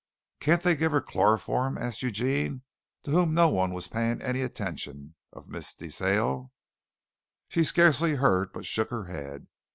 "Can't they give her chloroform?" asked Eugene, to whom no one was paying any attention, of Miss De Sale. She scarcely heard, but shook her head.